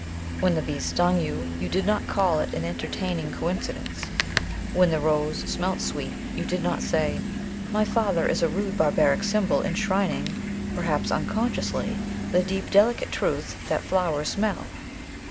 When the bees stung you, you did not call it an entertaining coincidence ; when the rose smelt sweet you did not say, ' My father is a rude, barbaric symbol enshrining (perhaps unconsciously) the deep delicate truth that flowers smell.'